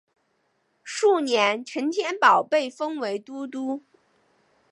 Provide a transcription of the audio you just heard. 翌年陈添保被封为都督。